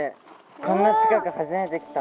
こんな近く初めて来た。